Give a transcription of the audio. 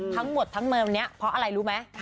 ทั้งหมดทั้งเมมนี้เพราะอะไรรู้ไหม